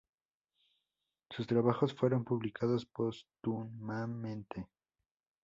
Sus trabajos fueron publicados póstumamente.